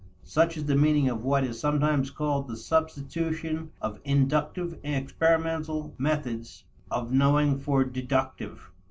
Such is the meaning of what is sometimes called the substitution of inductive experimental methods of knowing for deductive.